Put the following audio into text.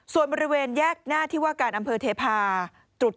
ส่วนบริเวณแยกหน้าที่ว่าการอำเภอเทพา